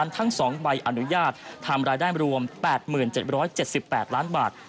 ทั้ง๒ใบอนุญาตทำรายได้รวม๘๗๗๘ล้านบาท